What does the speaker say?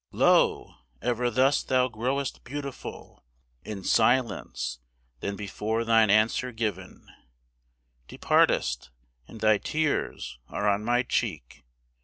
Lo! ever thus thou growest beautiful In silence, then before thine answer given Departest, and thy tears are on my cheek.